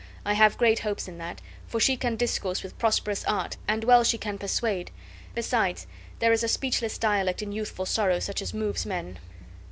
I have great hopes in that; for she can discourse with prosperous art, and well she can persuade; besides, there is a speechless dialect in youthful sorrow such as moves men."